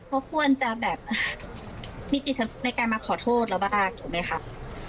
เขาควรจะแบบมีจิตในการมาขอโทษแล้วบ้าง